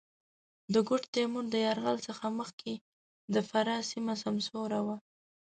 د ګوډ تېمور د یرغل څخه مخکې د فراه سېمه سمسوره وه.